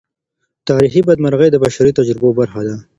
تاریخي بدمرغۍ د بشري تجربو برخه ده.